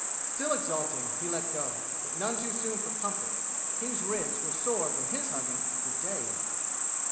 Still exulting, he let go, but none too soon for comfort. King's ribs were sore from his hugging for days.